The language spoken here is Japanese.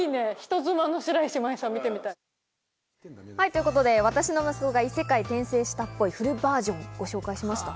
ということで『私の息子が異世界転生したっぽいフルｖｅｒ．』ご紹介しました。